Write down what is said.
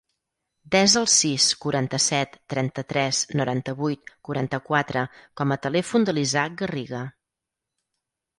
Desa el sis, quaranta-set, trenta-tres, noranta-vuit, quaranta-quatre com a telèfon de l'Isaac Garriga.